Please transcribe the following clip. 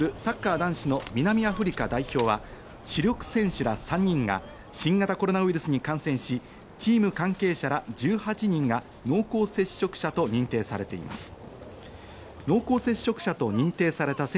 男子の南アフリカ代表は、主力選手ら３人が新型コロナウイルスに感染し、チーム関係者ら１８人が濃厚接触者と認定されています。